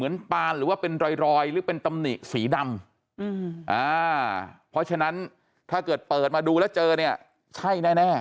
สีดำอืมอ่าเพราะฉะนั้นถ้าเกิดเปิดมาดูแล้วเจอเนี่ยใช่แน่แน่